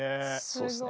そうっすね。